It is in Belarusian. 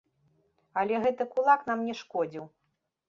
Але гэты кулак нам не шкодзіў.